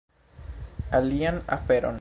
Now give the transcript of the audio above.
Alian aferon